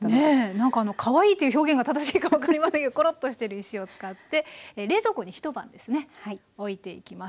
なんかあのかわいいっていう表現が正しいか分かりませんけどころっとしてる石を使って冷蔵庫に一晩ですねおいていきます。